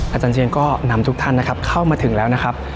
อาจารย์เชียงก็นำทุกท่านนะครับเข้ามาถึงแล้วนะครับ